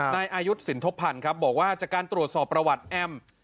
นายอายุทว์สินธพรรณบอกว่าจากการตรวจสอบประวัติแอม